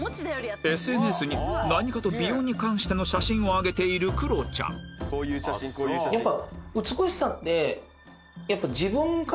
ＳＮＳ に何かと美容に関しての写真を上げているクロちゃんああ怒られちゃった。